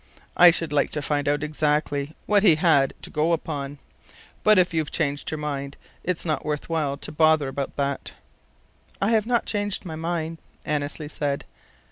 I should like to find out exactly what he had to go upon. But if you've changed your mind, it's not worth while to bother about that " "I have not changed my mind," Annesley said.